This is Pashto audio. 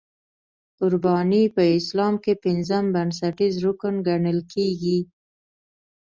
قرباني په اسلام کې پنځم بنسټیز رکن ګڼل کېږي.